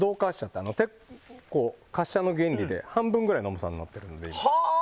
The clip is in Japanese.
滑車の原理と同じで半分くらいの重さになっているので。